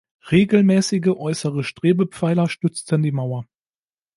Regelmäßige äußere Strebepfeiler stützten die Mauer.